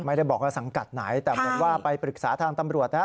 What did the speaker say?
ไม่ได้บอกว่าสังกัดไหนแต่เหมือนว่าไปปรึกษาทางตำรวจนะ